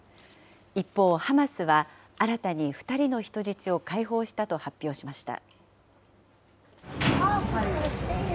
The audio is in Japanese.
一方、ハマスは新たに２人の人質を解放したと発表しました。